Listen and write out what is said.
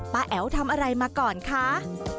แอ๋วทำอะไรมาก่อนคะ